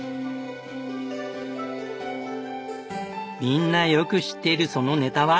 みんなよく知っているそのネタは。